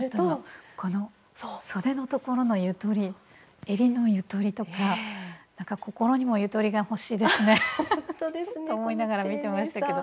このそでのところのゆとりえりのゆとりとかなんか心にもゆとりが欲しいですね。と思いながら見てましたけど。